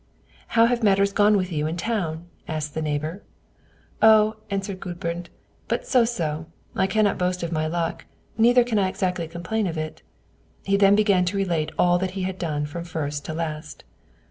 "How have matters gone with you in town?" asked the neighbor. "Oh," answered Gudbrand, "but so so; I cannot boast of my luck, neither can I exactly complain of it." He then began to relate all that he had done from first to last.